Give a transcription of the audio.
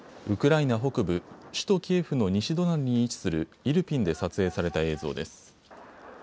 ウクライナ北部、首都キエフの西隣に位置するイルピンで撮影された映像です。